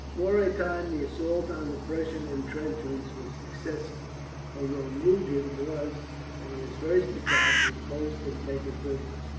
For a time the assault on the Prussian intrenchments was successful, although Nugent was, on his first attack, repulsed and taken prisoner.